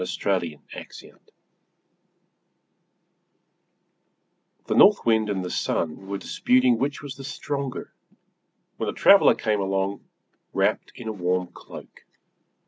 Orthographic version The North Wind and the Sun were disputing which was the stronger, when a traveler came along wrapped in a warm cloak.